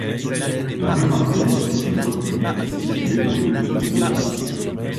La rue Martel est une voie publique située dans le de Paris.